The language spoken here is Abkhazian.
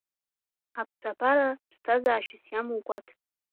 Аԥсабара ԥсҭазаашьас иамоу гәаҭ!